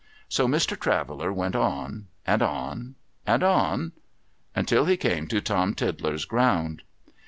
So, Mr. Traveller went on, and on, and on, until he came to Tom Tiddler's ground.